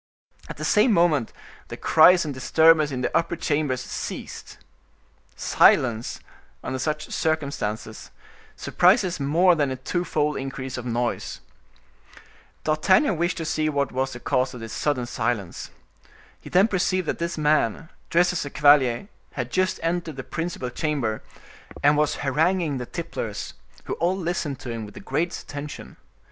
At the same moment the cries and disturbance in the upper chambers ceased. Silence, under such circumstances, surprises more than a twofold increase of noise. D'Artagnan wished to see what was the cause of this sudden silence. He then perceived that this man, dressed as a cavalier, had just entered the principal chamber, and was haranguing the tipplers, who all listened to him with the greatest attention.